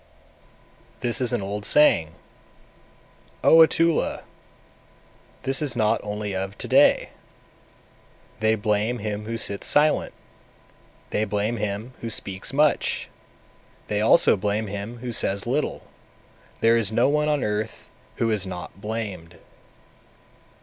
227. This is an old saying, O Atula, this is not only of to day: `They blame him who sits silent, they blame him who speaks much, they also blame him who says little; there is no one on earth who is not blamed.'